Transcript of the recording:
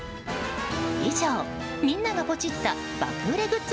以上、みんながポチった爆売れグッズ